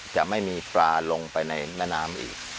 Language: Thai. จะไม่มีปลาลงไปในแม่น้ำอีก